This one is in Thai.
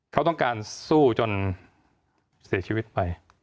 เขาต้องการสู้จนเสียชีวิตไป